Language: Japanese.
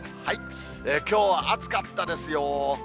きょうは暑かったですよ。